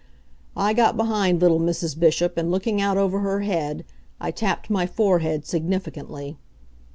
I got behind little Mrs. Bishop, and looking out over her head, I tapped my forehead significantly.